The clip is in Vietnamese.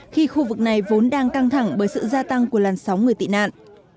khi khu vực này vốn đang căng thẳng bởi sự gia tăng của làn sóng người tị nạn